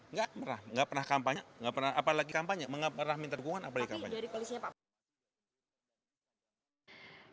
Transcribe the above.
nggak pernah nggak pernah kampanye apa lagi kampanye nggak pernah minta dukungan apa lagi kampanye